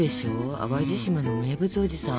淡路島の名物おじさん。